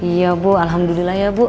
iya bu alhamdulillah ya bu